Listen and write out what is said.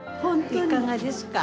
いかがですか？